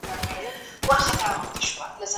هغه وایي چې د پوهې په مټ نړۍ تسخیرېدای شي.